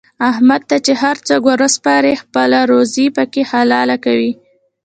احمد ته چې هر کار ور وسپارې خپله روزي پکې حلاله کوي.